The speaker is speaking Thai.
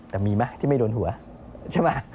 แต่มีไหมที่ไม่โดนหัวใช่ไหม